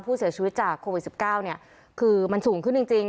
ผู้เสียชีวิตจากโควิดสิบเก้าเนี่ยคือมันสูงขึ้นจริงจริง